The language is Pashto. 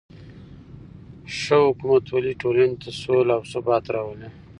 ښه حکومتولي ټولنې ته سوله او ثبات راولي.